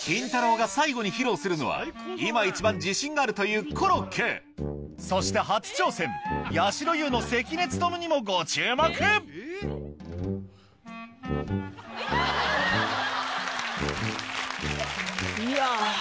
が最後に披露するのは今一番自信があるというコロッケそして初挑戦やしろ優の関根勤にもご注目いや